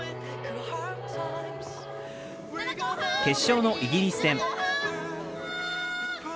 決勝のイギリス戦。